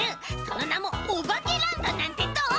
そのなも「おばけランド」なんてどう？